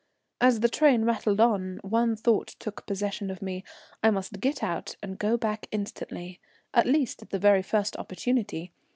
As the train rattled on, one thought took possession of me. I must get out and go back instantly, at least at the very first opportunity.